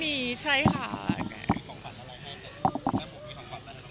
มีของขวัญอะไรให้ถ้าผมมีของขวัญอะไรของขวัญ